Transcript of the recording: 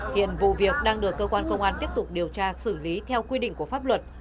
hiện vụ việc đang được cơ quan công an tiếp tục điều tra xử lý theo quy định của pháp luật